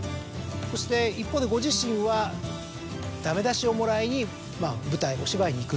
そして一方でご自身はダメ出しをもらいに舞台お芝居に行くっていう。